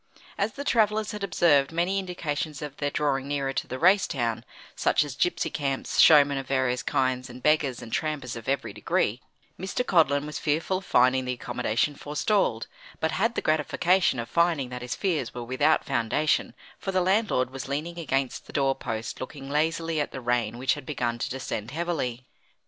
As the travellers had observed many indications of their drawing nearer to the race town, such as gypsy camps, showmen of various kinds, and beggars and trampers of every degree, Mr. Codlin was fearful of finding the accommodation forestalled; but had the gratification of finding that his fears were without foundation, for the landlord was leaning against the door post, looking lazily at the rain which had begun to descend heavily.